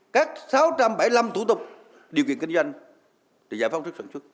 các sáu trăm bảy mươi năm thủ tục điều kiện kinh doanh để giải phóng sức sản xuất